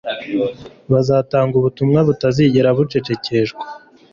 bazatanga ubutumwa butazigera bucecekeshwa